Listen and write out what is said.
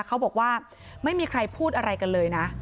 เขาบอกว่าไม่มีใครพูดอะไรกันเลยนะ